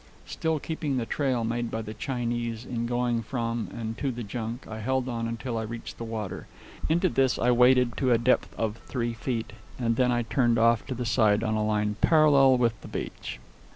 Still keeping the trail made by the Chinese in going from and to the junk, I held on until I reached the water. Into this I waded to a depth of three feet, and then I turned off to the side on a line parallel with the beach.